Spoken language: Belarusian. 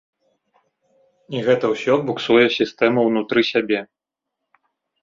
І гэта ўсё буксуе сістэму ўнутры сябе.